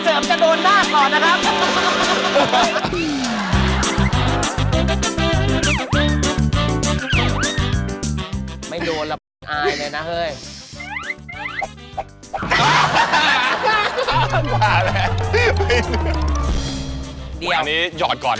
กวาดสนามไปจริงคะ